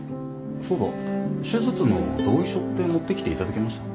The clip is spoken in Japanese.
そうだ手術の同意書って持って来ていただけました？